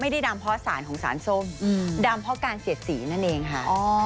ดำเพราะสารของสารส้มดำเพราะการเสียดสีนั่นเองค่ะ